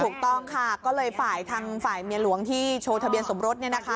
ถูกต้องค่ะก็เลยฝ่ายทางฝ่ายเมียหลวงที่โชว์ทะเบียนสมรสเนี่ยนะคะ